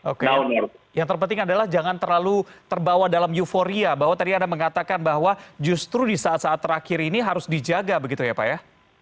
oke yang terpenting adalah jangan terlalu terbawa dalam euforia bahwa tadi anda mengatakan bahwa justru di saat saat terakhir ini harus dijaga begitu ya pak ya